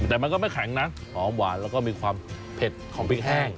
แต่มันก็ไม่แข็งนะหอมหวานแล้วก็มีความเผ็ดของพริกแห้ง